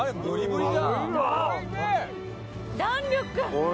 弾力！